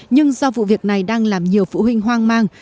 nhưng do vụ việc này đang làm nhiều phụ huynh hoang mang